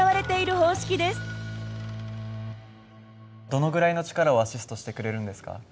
どのぐらいの力をアシストしてくれるんですか？